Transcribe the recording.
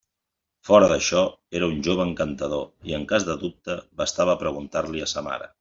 Fora d'això, era un jove encantador; i en cas de dubte, bastava preguntar-li-ho a sa mare.